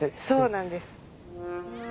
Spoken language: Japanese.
そうなんです。